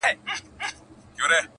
• هره ورځ یې شکایت له غریبۍ وو -